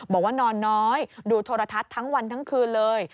บอกว่านอนน้อยดูโทรทัศน์ทั้งวันทั้งคืนเลย